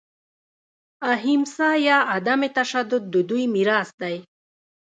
اهیمسا یا عدم تشدد د دوی میراث دی.